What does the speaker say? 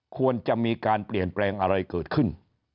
ควรจะมีการเปลี่ยนแปลงอะไรเกิดขึ้น